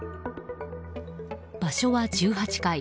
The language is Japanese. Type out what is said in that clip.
場所は１８階。